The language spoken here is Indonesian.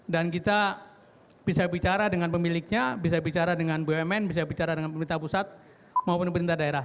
kita bisa bicara dengan pemiliknya bisa bicara dengan bumn bisa bicara dengan pemerintah pusat maupun pemerintah daerah